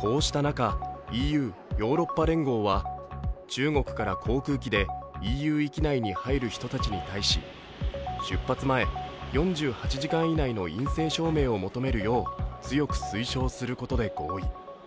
こうした中、ＥＵ＝ヨーロッパ連合は中国から航空機でＥＵ域内に入る人たちに対し出発前４８時間以内の陰性証明を求めるよう強く推奨することで合意。